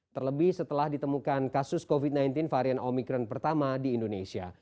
terlebih setelah ditemukan kasus covid sembilan belas varian omikron pertama di indonesia